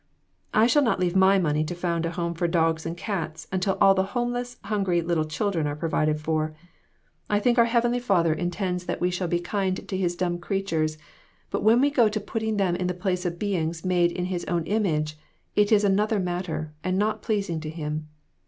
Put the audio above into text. " I shall not leave my money to found a home for dogs and cats until all the homeless, hungry little children are provided for. I think our heav 2/O WITHOUT ARE DOGS. enly Father intends that we shall be kind to his dumb creatures, but when we go to putting them in the place of beings made in his own image, it is another matter, and not pleasing to him.